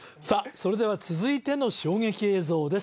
それでは続いての衝撃映像です